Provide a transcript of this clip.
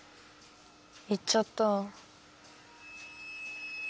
行っちゃった。